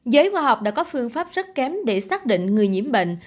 giới khoa học đã có phương pháp rất kém để xác định người nhiễm bệnh